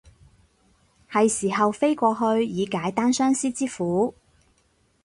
係時候飛過去以解單相思之苦